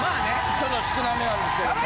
ちょっと少なめなんですけども。